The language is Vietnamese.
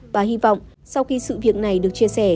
và hy vọng sau khi sự việc này được chia sẻ